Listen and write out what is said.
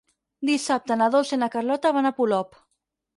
Dissabte na Dolça i na Carlota van a Polop.